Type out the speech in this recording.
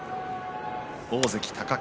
大関貴景